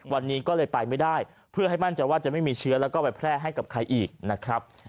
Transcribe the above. วันนี้ก็เลยไปไม่ได้เพื่อให้มั่นใจว่าจะไม่มีเชื้อแล้วก็ไปแพร่ให้กับใครอีกนะครับ